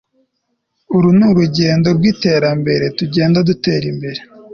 uru nurugero rwiterambere tugenda dutera imbere